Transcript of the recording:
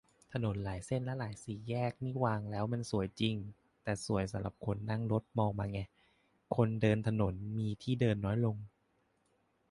ถนนหลายเส้นและหลายสี่แยกนี่วางแล้วมันสวยจริง แต่สวยสำหรับคนนั่งรถมองมาไง คนเดินถนนมีที่เดินน้อยลง